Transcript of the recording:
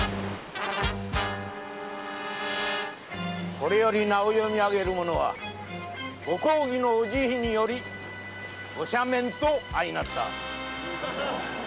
これより名を読みあげる者は御公儀のお慈悲によりご赦免と相成った。